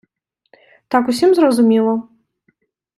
Так усім зрозуміло?